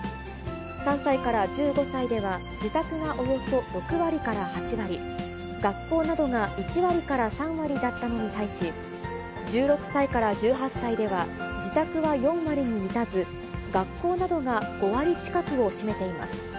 ３歳から１５歳では、自宅がおよそ６割から８割、学校などが１割から３割だったのに対し、１６歳から１８歳では、自宅は４割に満たず、学校などが５割近くを占めています。